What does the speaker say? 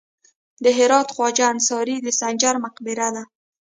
د هرات خواجه انصاري د سنجر مقبره ده